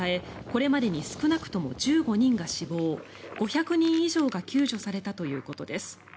これまでに少なくとも１５人が死亡５００人以上が救助されたということです。